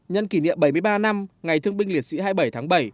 nhân kỷ niệm bảy mươi ba năm ngày thương binh liệt sĩ hai mươi bảy tháng bảy